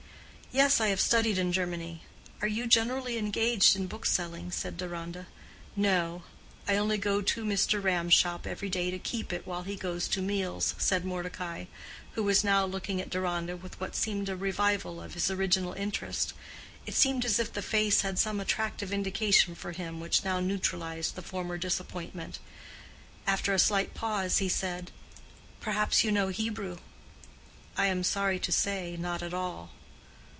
"Yes, I have studied in Germany. Are you generally engaged in bookselling?" said Deronda. "No; I only go to Mr. Ram's shop every day to keep it while he goes to meals," said Mordecai, who was now looking at Deronda with what seemed a revival of his original interest: it seemed as if the face had some attractive indication for him which now neutralized the former disappointment. After a slight pause, he said, "Perhaps you know Hebrew?" "I am sorry to say, not at all."